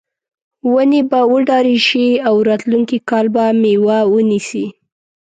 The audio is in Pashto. ونې به وډارې شي او راتلونکي کال به میوه ونیسي.